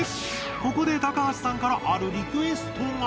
ここで高橋さんからあるリクエストが！